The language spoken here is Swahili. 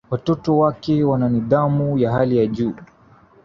Watoto wake wana nidhamu ya hali ya juu